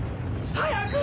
早く！